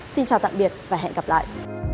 xin chào tạm biệt và hẹn gặp lại